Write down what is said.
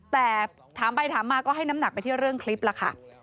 แต่ถามไปถามมาก็ให้น้ำหนักไปที่เรื่องคลิปล่ะค่ะ